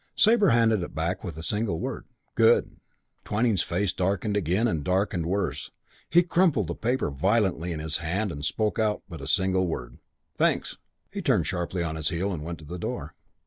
Sabre handed it back with a single word, "Good." Twyning's face darkened again and darkened worse. He crumpled the paper violently in his hand and spoke also but a single word, "Thanks!" He turned sharply on his heel and went to the door.